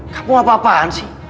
kamu apa apaan sih